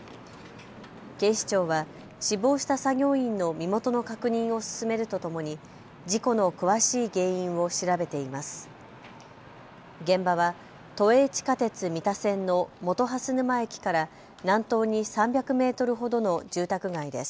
警視庁は死亡した作業員の身元の確認を進めるとともに事故の詳しい原因を調べています。